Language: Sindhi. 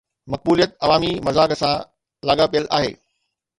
مقبوليت عوامي مذاق سان لاڳاپيل آهي.